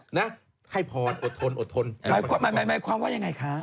หมายความว่าไงคะ